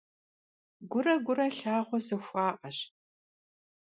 Gure gure lhağue zexua'eş.